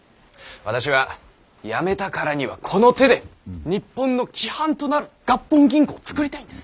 私は辞めたからにはこの手で日本の規範となる合本銀行を作りたいんです。